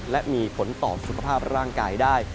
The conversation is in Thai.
และมีผลต่อสุขภาพร่างกายได้